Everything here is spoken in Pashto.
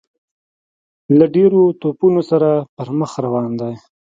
له ډیرو توپونو سره پر مخ روان دی.